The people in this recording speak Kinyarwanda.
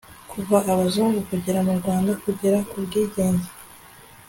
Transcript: kuva abazungu bagera mu rwanda kugera ku bwigenge